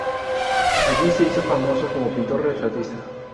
Allí se hizo famoso como pintor retratista.